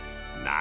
何？